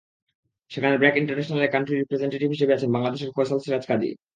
সেখানে ব্র্যাক ইন্টারন্যাশনালের country representative হিসেবে আছেন বাংলাদেশের ফয়সাল সেরাজ কাজী।